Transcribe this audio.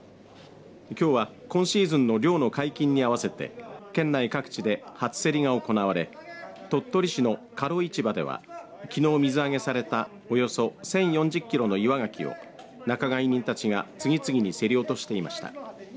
きょうは今シーズンの漁の解禁に合わせて県内各地で初競りが行われ鳥取市の賀露市場ではきのう水揚げされた、およそ１０４０キロの岩ガキを仲買人たちが、次々に競り落としていました。